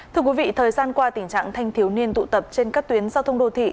thưa quý vị thời gian qua tình trạng thanh thiếu niên tụ tập trên các tuyến giao thông đô thị